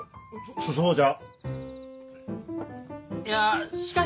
そそうじゃ。